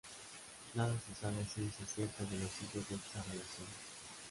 Nada se sabe a ciencia cierta de los hijos de estas relaciones.